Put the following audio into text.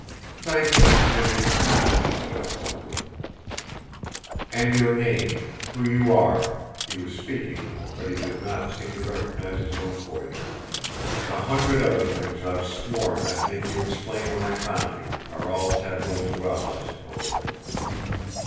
"Thank you, Jimmie," she said simply. "And your name, who you are" he was speaking, but he did not seem to recognise his own voice "the hundred other things I've sworn I'd make you explain when I found you, are all taboo as well, I suppose!"